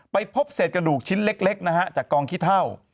ไปพบเศษกระดูกชิ้นเล็กนะฮะจากกองขี้เท่า